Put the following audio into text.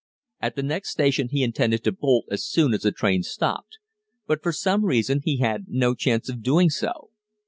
At the next station he intended to bolt as soon as the train stopped, but for some reason he had no chance of doing so.